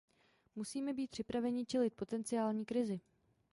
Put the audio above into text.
Musíme být připraveni čelit potenciální krizi.